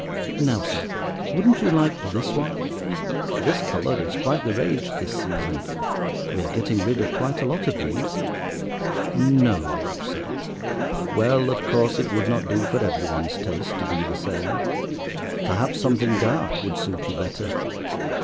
Now, sir, wouldn't you like this one? This colour is quite the rage this season; we are getting rid of quite a lot of these." "No, sir! Well, of course, it would not do for every one's taste to be the same. Perhaps something dark would suit you better.